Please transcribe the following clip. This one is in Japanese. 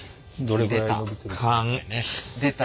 出た。